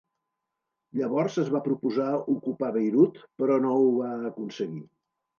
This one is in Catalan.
Llavors es va proposar ocupar Beirut però no ho va aconseguir.